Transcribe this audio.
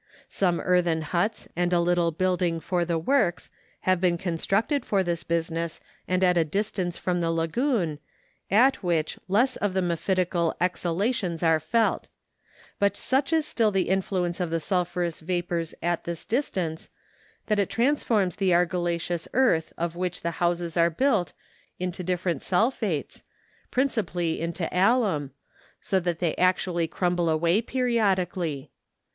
Some earthen huts and a little building for the works have been constructed for this busi¬ ness, and at a distance from the lagune, at winch less of the ifiephitical exhalations are felt; but such is still the influence of the sulphurous vapours at T 274 MOUNTAIN ADVENTUEES. this distance, that it transforms the argillaceous earth of which the houses are built into different sul¬ phates, principally into alum, so that they actually crumble away periodically.